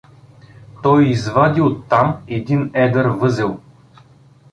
Той извади оттам един едър възел.